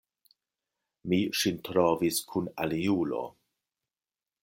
Mi ŝin trovis kun aliulo.